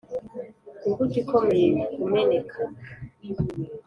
imbuto ikomeye kumeneka.